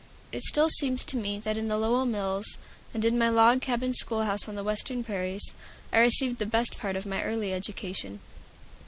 It still seems to me that in the Lowell mills, and in my log cabin schoolhouse on the Western prairies, I received the best part of my early education.